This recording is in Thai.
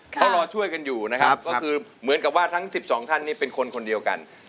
เขารอช่วยกันอยู่นะครับก็คือเหมือนกับว่าทั้ง๑๒ท่านนี่เป็นคนคนเดียวกัน